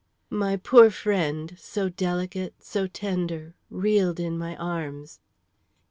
My poor friend, so delicate, so tender, reeled in my arms.